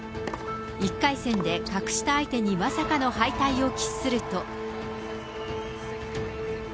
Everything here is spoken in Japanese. １回戦で格下相手にまさかの敗退を喫すると。